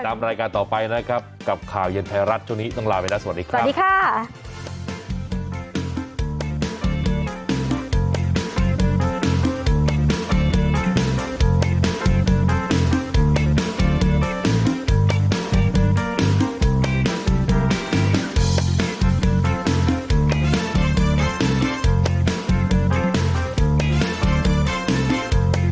ตามรายการต่อไปนะครับกับข่าวเย็นไทยรัฐช่วงนี้ต้องลาไปนะสวัสดีครับ